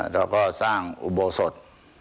แล้วก็สร้างอุโบสด